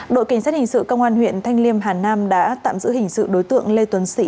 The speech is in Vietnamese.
đội cảnh sát hình sự công an huyện thanh liêm hà nam đã tạm giữ hình sự đối tượng lê tuấn sĩ